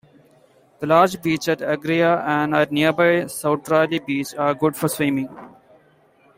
The large beach at Agria and at nearby Soutrali beach are good for swimming.